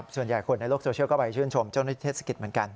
ส่วนใหญ่คนในโลกโซเชียลก็ไปชื่นชมเจ้าหน้าที่เทศกิจเหมือนกัน